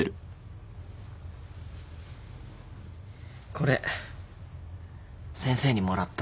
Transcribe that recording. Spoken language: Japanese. これ先生にもらったんだ。